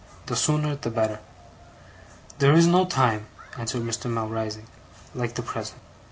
The sooner the better.' 'There is no time,' answered Mr. Mell, rising, 'like the present.